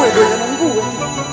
waduh yang nanggu